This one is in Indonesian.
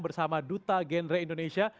bersama duta genre indonesia